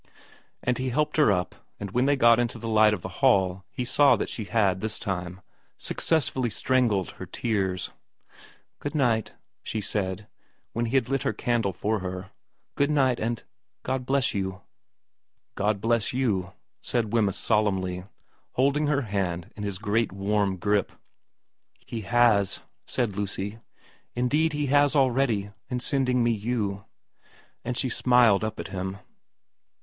And he helped her up, and when they got into the light of the hall he saw that she had, this time, success fully strangled her tears. ' Good night,' she said, when he had lit her candle for her, ' good night, and God bless you.' ' God bless you' said Wemyss solemnly, holding her hand in his great warm grip. ' He has,' said Lucy. ' Indeed He has already, in sending me you.' And she smiled up at him.